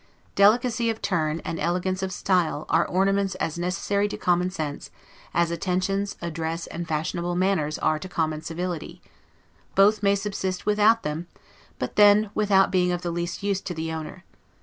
Delicacy of turn, and elegance of style, are ornaments as necessary to common sense, as attentions, address, and fashionable manners, are to common civility; both may subsist without them, but then, without being of the least use to the owner.